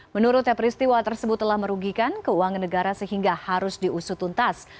menurutnya peristiwa tersebut telah merugikan keuangan negara sehingga harus diusut untas